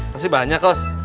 masih banyak kost